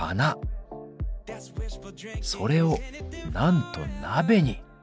それをなんと鍋に！